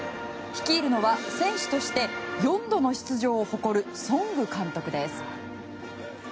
率いるのは選手として４度の出場を誇るソング監督です。